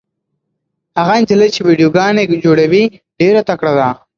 هغه نجلۍ چې ویډیوګانې جوړوي ډېره تکړه ده.